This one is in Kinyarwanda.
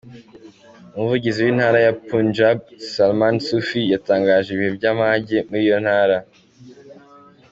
Umuvugizi w’intara ya Punjab, Salman Sufi yatangaje ibihe by’amage muri iyo Ntara.